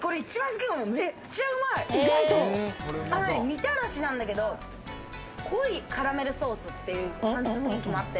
みたらしなんだけど、濃いカラメルソースって感じもあって。